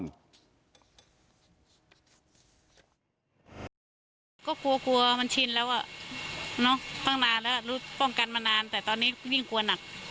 ก็กลัวมันชินแล้วอะ